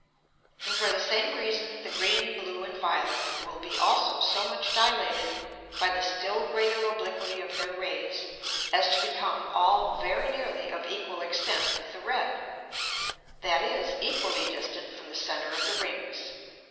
And for the same reason the green, blue and violet, will be also so much dilated by the still greater obliquity of their Rays, as to become all very nearly of equal extent with the red, that is, equally distant from the center of the Rings.